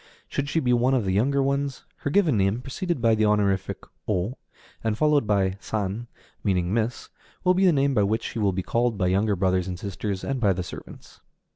Should she be one of the younger ones, her given name, preceded by the honorific O and followed by San, meaning Miss, will be the name by which she will be called by younger brothers and sisters, and by the servants.